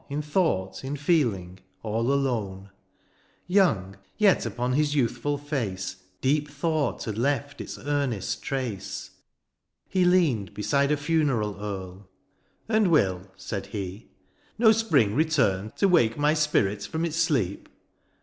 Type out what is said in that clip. In thought, in feeling, all alone ; Young, (J) yet upon his youthful face Deep thought had left its earnest trace : He leaned beside a fimeral urn ;^' And will,^^ said he, ^^ no spring return ^^To wake my spirit from its sleep